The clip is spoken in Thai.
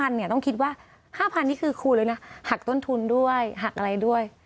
ต้องคิดว่า๕๐๐นี่คือครูเลยนะหักต้นทุนด้วยหักอะไรด้วย